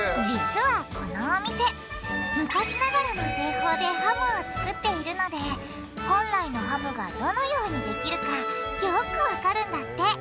実はこのお店昔ながらの製法でハムを作っているので本来のハムがどのようにできるかよくわかるんだって。